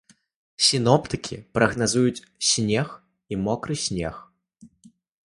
Сіноптыкі прагназуюць снег і мокры снег.